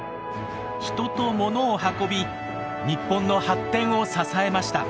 ヒトとモノを運び日本の発展を支えました。